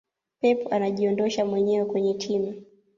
pep anajiondosha mwenyewe kwenye timu